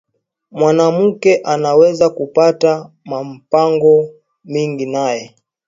Mwanamuke anaweza kupata ma mpango mingi naye